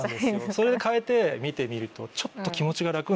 それでかえて見てみるとちょっと気持ちが楽になる。